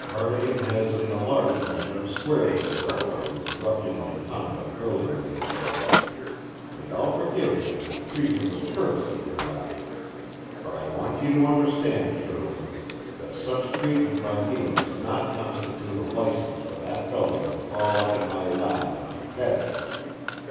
Cardigan has in a large measure squared himself for his ruffianly conduct earlier in the day, and I'll forgive him and treat him with courtesy hereafter; but I want you to understand, Shirley, that such treatment by me does not constitute a license for that fellow to crawl up in my lap and be petted.